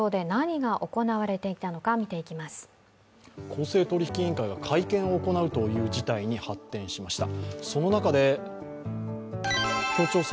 公正取引委員会が会見を行うという事態に発展しました。